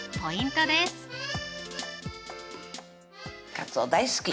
かつお大好き